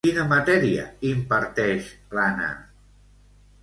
Quina matèria imparteix, l'Anna?